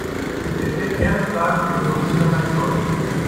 Er stellt gerne Fragen philosophischer Natur.